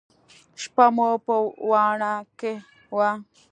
شپه مو په واڼه کښې وه.